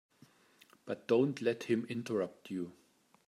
But don't let him interrupt you.